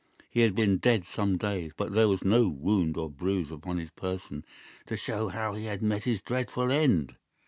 He had been dead some days, but there was no wound or bruise upon his person to show how he had met his dreadful end.